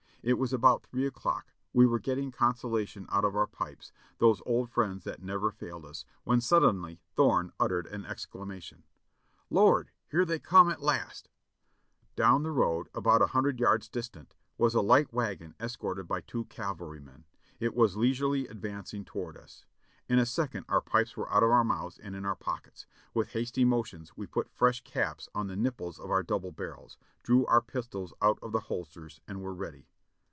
It was about three o'clock ; we were getting consolation out of our pipes, those old friends that never failed us, when suddenly Thorne uttered an ex clamation : "Lord ! here they come at last !" Down the road, about a hundred yards distant, was a light wagon escorted by two cavalrymen ; it was leisurely advancing toward us. In a second our pipes were out of our mouths and in our pockets. With hasty motions we put fresh caps on the nipples of our double barrels, drew our pistols out of the holsters and were ready.